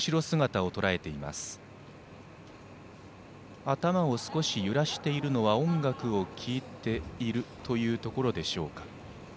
頭を少し揺らしているのは音楽を聴いているところでしょうか。